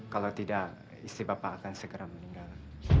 kalau tidak istri bapak akan segera meninggal